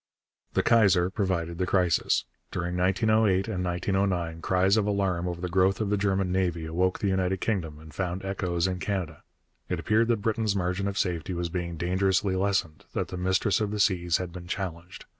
The Kaiser provided the crisis. During 1908 and 1909 cries of alarm over the growth of the German navy awoke the United Kingdom and found echoes in Canada. It appeared that Britain's margin of safety was being dangerously lessened, that the Mistress of the Seas had been challenged.